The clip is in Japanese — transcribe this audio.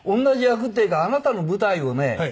同じ役っていうかあなたの舞台をね